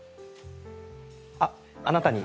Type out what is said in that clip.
あっあなたに。